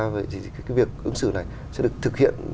vậy thì cái việc ứng xử này sẽ được thực hiện